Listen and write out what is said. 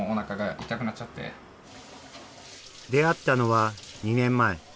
出会ったのは２年前。